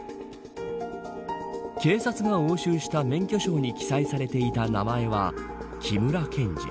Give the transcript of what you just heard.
警察が押収した免許証に記載されていた名前はきむらけんじ。